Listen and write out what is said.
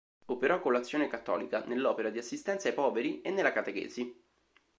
Operò con l'Azione Cattolica, nell'opera di assistenza ai poveri e nella catechesi.